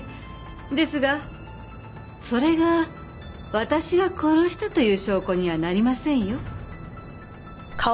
ですがそれが私が殺したという証拠にはなりませんよ。